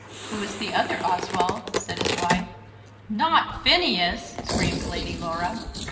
"Who is the other, Oswald?" said his wife. "Not Phineas," screamed Lady Laura.